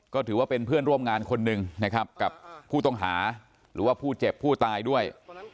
ก็ถือว่าเป็นเพื่อนร่วมงานคนหนึ่งนะครับกับผู้ต้องหาหรือว่าผู้เจ็บผู้ตายด้วย